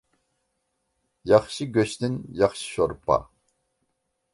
ياخشى گۆشتىن ياخشى شورپا.